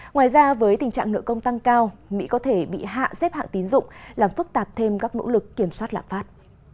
ngoài ra với tình trạng nợ công tăng cao mỹ có thể bị hạ xếp hạng tín dụng làm phức tạp thêm các nỗ lực kiểm soát lạm phát